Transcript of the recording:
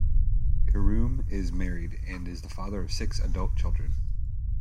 Karume is married and is the father of six adult children.